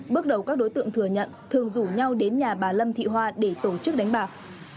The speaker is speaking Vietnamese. bước đầu các đối tượng thừa nhận thường rủ nhau đến nhà bà lâm thị hoa để tổ chức đánh bạc